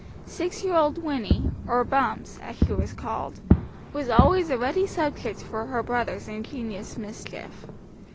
Six year old Winnie, or Bumps, as she was called, was always a ready subject for her brother's ingenious mischief.